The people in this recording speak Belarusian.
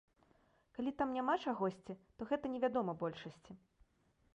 Калі там няма чагосьці, то гэта невядома большасці.